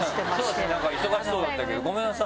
そうですね忙しそうだったけどごめんなさいね。